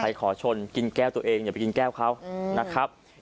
ขอชนกินแก้วตัวเองอย่าไปกินแก้วเขานะครับ